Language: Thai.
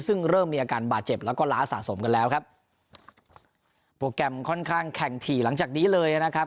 ซึ่งเริ่มมีอาการบาดเจ็บแล้วก็ล้าสะสมกันแล้วครับโปรแกรมค่อนข้างแข่งถี่หลังจากนี้เลยนะครับ